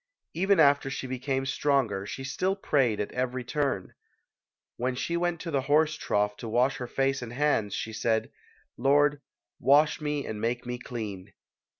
Even after she became stronger she still prayed at every turn. When she went to the horse trough to wash her face and hands, she said, "Lord, wash me and make me clean".